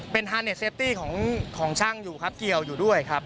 เป็นของช่างอยู่ครับเกี่ยวอยู่ด้วยครับ